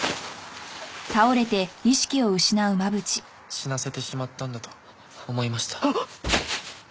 死なせてしまったんだと思いました。